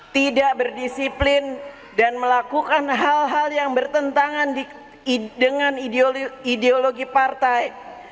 tidak berdisiplin dan melakukan hal hal yang bertentangan dengan ideologi partai